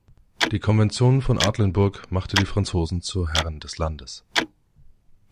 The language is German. Die Konvention von Artlenburg machte die Franzosen zu Herren des Landes.